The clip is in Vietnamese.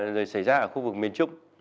rồi xảy ra ở khu vực miền trung